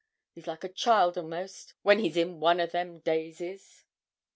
He's like a child a'most, when he's in one o' them dazes.'